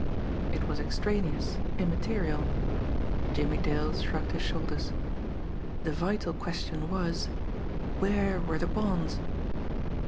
It was extraneous, immaterial. Jimmie Dale shrugged his shoulders. The vital question was where were the bonds?